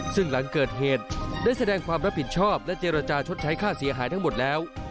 ซึ่งหลังเกิดเหตุได้แสดงความรับผิดชอบและเจรจาชดใช้ค่าเสียหายทั้งหมดแล้ว